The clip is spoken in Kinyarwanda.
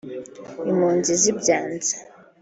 Impunzi zibyanze